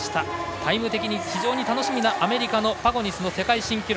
タイム的に非常に楽しみなアメリカのパゴニスの世界新記録。